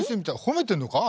褒めてんのか？